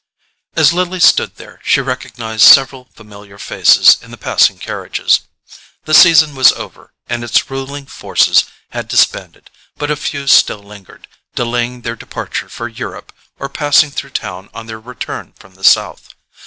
As Lily stood there, she recognized several familiar faces in the passing carriages. The season was over, and its ruling forces had disbanded; but a few still lingered, delaying their departure for Europe, or passing through town on their return from the South.